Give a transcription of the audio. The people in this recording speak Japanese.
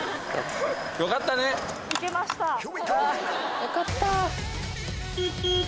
よかったね。